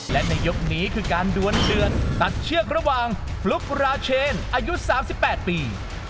และในยกนี้คือการดวนเดือดตัดเชือกระหว่างฟลุ๊กราเชนอายุ๓๘ปี